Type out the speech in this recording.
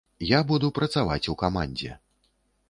Я буду працаваць у камандзе.